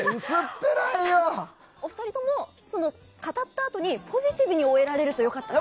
お二人とも語ったあとにポジティブに終えられると良かった。